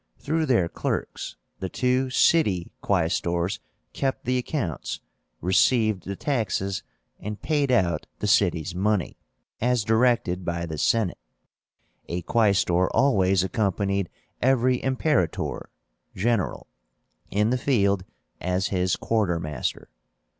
Through their clerks, the two city Quaestors kept the accounts, received the taxes, and paid out the city's money, as directed by the Senate. A Quaestor always accompanied every Imperator (general) in the field as his quartermaster.